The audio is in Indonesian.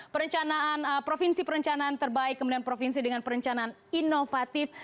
perencanaan provinsi perencanaan terbaik kemudian provinsi dengan perencanaan inovatif